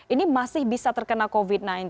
ini masih bisa terkena covid sembilan belas